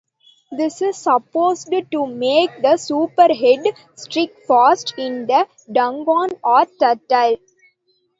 This is supposed to make the spearhead stick fast in the dugong or turtle.